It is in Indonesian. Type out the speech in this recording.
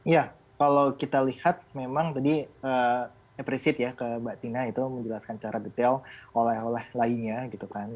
ya kalau kita lihat memang tadi epresif ya ke mbak tina itu menjelaskan secara detail oleh oleh lainnya gitu kan